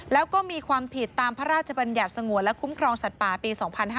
แล้วก็มีความผิดตามพระราชบัญญัติสงวนและคุ้มครองสัตว์ป่าปี๒๕๕๙